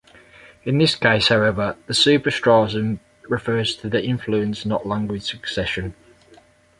In this case, however, the superstratum refers to influence, not language succession.